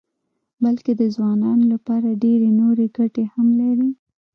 بلکې د ځوانانو لپاره ډېرې نورې ګټې هم لري.